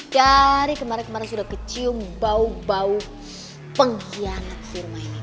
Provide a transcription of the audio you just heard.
dari kemarin kemarin sudah kecium bau bau pengkhianat sirma ini